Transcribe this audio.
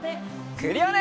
クリオネ！